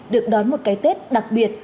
được đón một cái tết đặc biệt